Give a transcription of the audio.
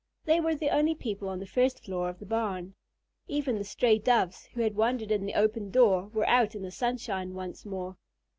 They were the only people on the first floor of the barn. Even the stray Doves who had wandered in the open door were out in the sunshine once more.